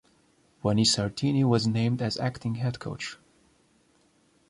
Vanni Sartini was named as acting head coach.